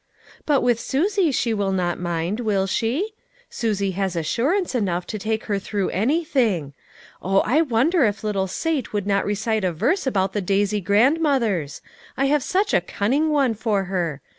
" But with Susie she will not mind, will she? Susie has assurance enough to take her through anything. Oh, I wonder if little Sate would not recite a verse about the daisy grandmothers? I have such a cunning one for her.